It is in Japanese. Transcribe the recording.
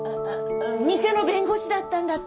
ニセの弁護士だったんだって。